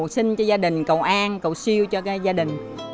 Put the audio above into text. sinh cho gia đình cầu an cầu siêu cho gia đình